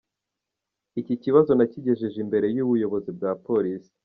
Iki kibazo nakigejeje imbere y’umuyobozi wa Polisi”.